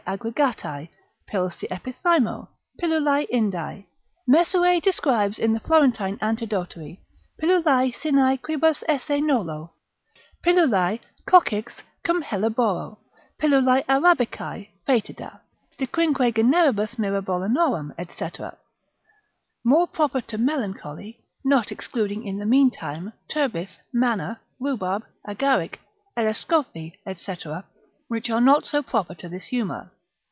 aggregat. pills de Epithymo. pil. Ind. Mesue describes in the Florentine Antidotary, Pilulae sine quibus esse nolo, Pilulae, Cochics, cum Helleboro, Pil. Arabicae, Faetida, de quinque generibus mirabolanorum, &c. More proper to melancholy, not excluding in the meantime, turbith, manna, rhubarb, agaric, elescophe, &c. which are not so proper to this humour.